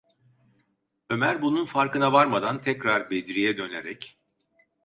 Ömer bunun farkına varmadan, tekrar Bedri’ye dönerek: